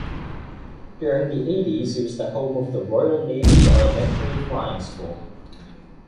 During the eighties it was the home of the Royal Navy Elementary Flying School.